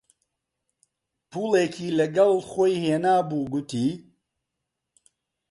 پووڵێکی لەگەڵ خۆی هێنابوو، گوتی: